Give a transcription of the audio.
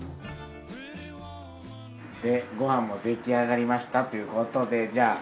ご飯も出来上がりましたということでじゃあ。